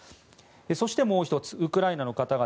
そして、もう１つウクライナの方々